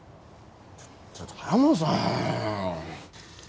ちょっとカモさん。